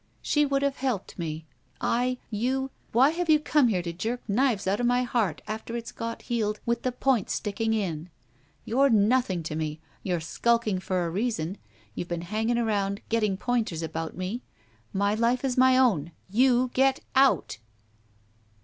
She would have helped me. I — You — Why have you come here to jerk knives out of my heart after it's got healed with the points sticking in? You're nothing to me. You're skulking for a reason. You've been hanging around, getting pointers about me. My life is my own! You get out!"